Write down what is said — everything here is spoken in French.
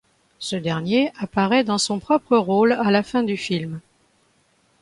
Ce dernier apparaît dans son propre rôle à la fin du film.